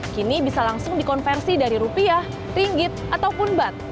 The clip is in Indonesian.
kini bisa langsung dikonversi dari rupiah ringgit ataupun bat